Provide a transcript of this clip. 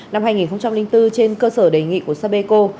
năm hai nghìn bốn trên cơ sở đề nghị của sapeco